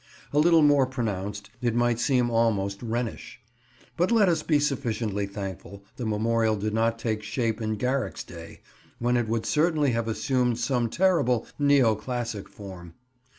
A little more pronounced, it might seem almost Rhenish. But let us be sufficiently thankful the Memorial did not take shape in Garrick's day, when it would certainly have assumed some terrible neo classic form.